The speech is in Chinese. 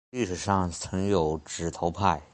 历史上曾有指头派。